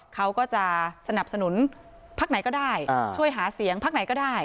เขาก็จะสนับสนุนพักไหนก็ได้ช่วยหาเสียงพักไหนก็ได้